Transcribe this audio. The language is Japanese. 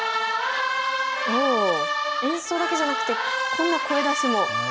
演奏だけじゃなくてこんな声出しも。